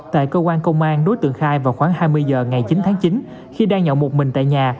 tại cơ quan công an đối tượng khai vào khoảng hai mươi giờ ngày chín tháng chín khi đang nhậu một mình tại nhà